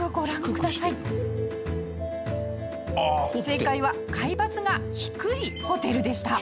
正解は海抜が低いホテルでした！